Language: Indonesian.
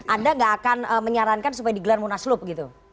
anda nggak akan menyarankan supaya digelar munaslup gitu